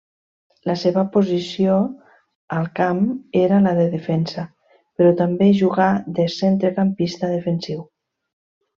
La seva posició al camp era la de defensa, però també jugà de centrecampista defensiu.